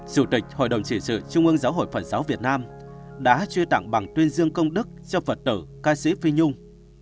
sự tịch hội đồng chỉ sự trung ương giáo hội phần sáu việt nam đã truy tặng bằng tuyên dương công đức cho phật tử ca sĩ phi nhung